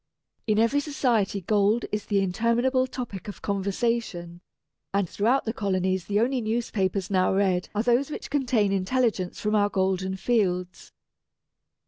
In every society gold is the interminable topic of conversation; and throughout the colonies the only newspapers now read are those which contain intelligence from our golden fields.